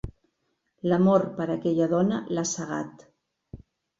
L'amor per aquella dona l'ha cegat.